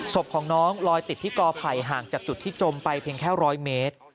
ศพของน้องลอยติดที่กอไผ่ห่างจากจุดที่จมไปเพียงแค่๑๐๐เมตร